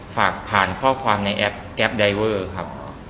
ฝากผ่านข้อความในแอปแอปไดเวอร์ครับ